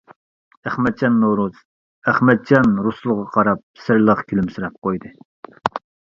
ئەخمەتجان نورۇز ئەمەتجان رۇسۇلغا قاراپ، سىرلىق كۈلۈمسىرەپ قويدى.